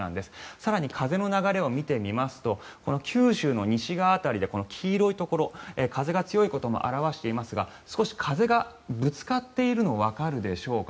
更に風の流れを見ますとこの九州の西側辺りで黄色いところ風が強いことも表していますが少し風がぶつかっているのがわかるでしょうか。